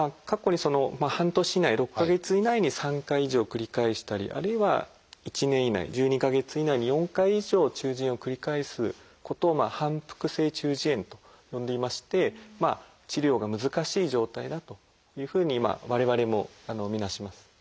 過去に半年以内６か月以内に３回以上繰り返したりあるいは１年以内１２か月以内に４回以上中耳炎を繰り返すことを「反復性中耳炎」と呼んでいまして治療が難しい状態だというふうに我々も見なします。